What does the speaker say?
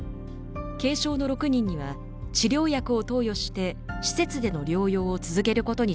軽症の６人には治療薬を投与して施設での療養を続けることにしました。